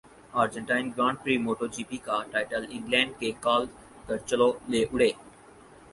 Argentine grand prix moto G P کا title England کے call کرچلو لے اڑے